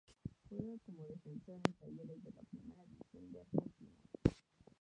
Juega como defensor en Talleres de la Primera División de Argentina.